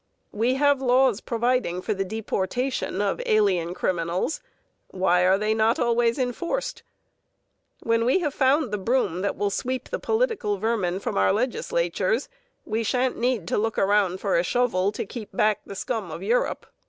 (5) We have laws providing for the deportation of alien criminals. Why are they not always enforced? When we have found the broom that will sweep the political vermin from our legislatures, we shan't need to look around for a shovel to keep back the scum of Europe.